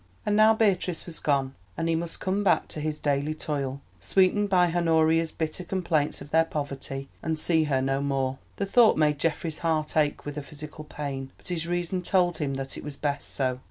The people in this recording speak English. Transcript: And now Beatrice was gone, and he must come back to his daily toil, sweetened by Honoria's bitter complaints of their poverty, and see her no more. The thought made Geoffrey's heart ache with a physical pain, but his reason told him that it was best so.